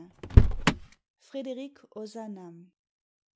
FRÉDÉRIC OZANAM.